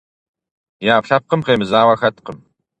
И ӏэпкълъэпкъым къемызауэ хэткъым.